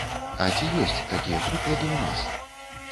А ці ёсць такія прыклады ў нас?